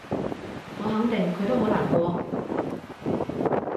我肯定佢都好難過